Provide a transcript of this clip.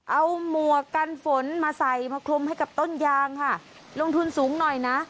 เอาหมวกกันฝนมาใส่มาคลุมให้กับต้นยางค่ะลงทุนสูงหน่อยนะ